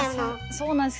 そうなんです。